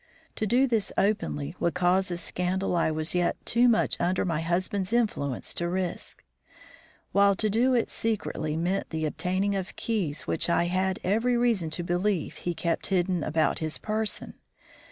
To do this openly would cause a scandal I was yet too much under my husband's influence to risk; while to do it secretly meant the obtaining of keys which I had every reason to believe he kept hidden about his person.